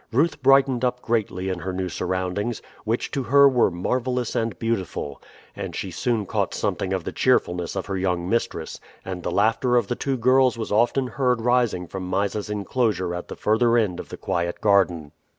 Ruth brightened up greatly in her new surroundings, which to her were marvelous and beautiful; and she soon caught something of the cheerfulness of her young mistress, and the laughter of the two girls was often heard rising from Mysa's inclosure at the further end of the quiet garden.